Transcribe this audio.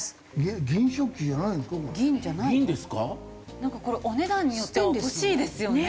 なんかこれお値段によっては欲しいですよね。